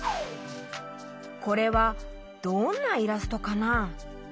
これはどんなイラストかな？